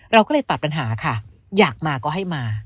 เราก็เลยตัดปัญหาค่ะอยากมาก็ให้มา